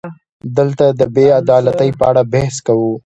دلته د بې عدالتۍ په اړه بحث کوو.